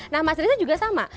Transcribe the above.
nah mas riza juga sama